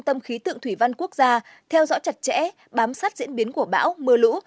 tâm khí tượng thủy văn quốc gia theo dõi chặt chẽ bám sát diễn biến của bão mưa lũ